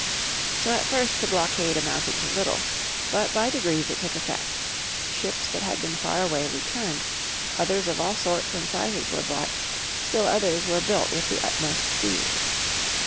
So at first the blockade amounted to little. But by degrees it took effect. Ships that had been far away returned, others of all sorts and sizes were bought, still others were built with the utmost speed.